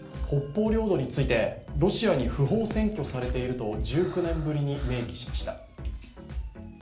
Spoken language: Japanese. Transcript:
北方領土について、ロシアに不法占拠されていると１９年ぶりに明記しました。